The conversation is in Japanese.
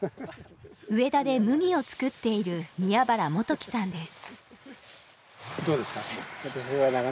上田で麦を作っている宮原基紀さんです。